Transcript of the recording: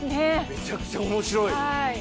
めちゃくちゃ面白い！